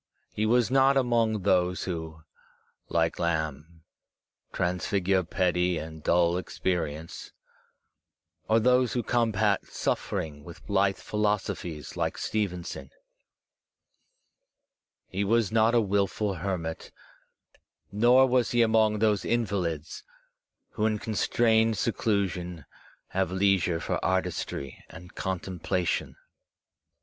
He was not among those who, like Lamb, transfigure petty and dull experience, or those who combat suffering with blithe philos ophies like Stevenson; he was not a wilful hermit; nor was he among those invalids who, in constrained seclusion, have leisure for artistry and contemplation.